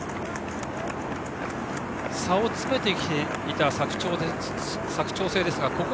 差を詰めてきていた佐久長聖ですが。